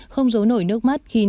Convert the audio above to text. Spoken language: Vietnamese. không giấu nổi nước mắt khi nói